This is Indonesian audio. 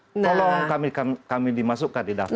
tolong kami dimasukkan di daftar itu